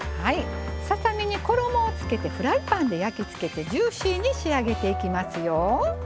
ささ身に衣をつけてフライパンで焼き付けてジューシーに仕上げていきますよ。